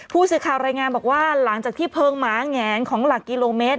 ผู้สื่อข่าวรายงานบอกว่าหลังจากที่เพลิงหมาแงนของหลักกิโลเมตร